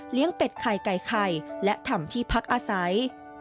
เป็ดไข่ไก่ไข่และทำที่พักอาศัย